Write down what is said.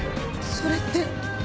それって。